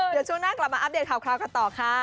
เดี๋ยวช่วงหน้ากลับมาอัปเดตข่าวกันต่อค่ะ